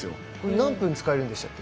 何分使えるんでしたっけ？